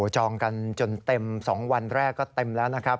จองกันจนเต็ม๒วันแรกก็เต็มแล้วนะครับ